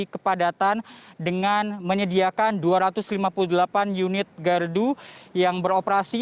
kepadatan dengan menyediakan dua ratus lima puluh delapan unit gardu yang beroperasi